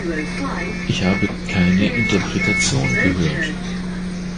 Ich habe keine Interpretation gehört.